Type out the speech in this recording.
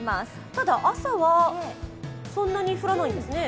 ただ、朝はそんなに降らないんですね？